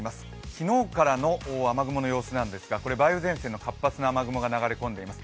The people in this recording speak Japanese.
昨日からの雨雲の様子なんですが、梅雨前線の活発な雨雲が流れ込んでいます。